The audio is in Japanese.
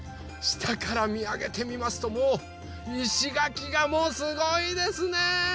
したからみあげてみますともういしがきがすごいですね！